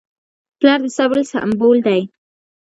پلار د صبر سمبول دی.